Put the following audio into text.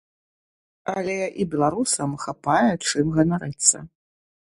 Але і беларусам хапае чым ганарыцца.